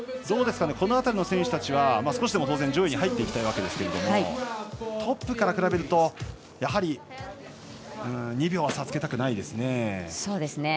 この辺りの選手たちは少しでも上位に入っていきたいわけですけれどもトップから比べると２秒差はつけたくないですね。